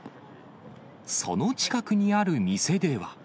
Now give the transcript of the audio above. その近くにある店では。